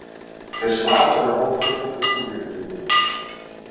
Geschwader der Hochseeflotte zugewiesen.